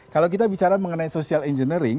kalau kita bicara mengenai social engineering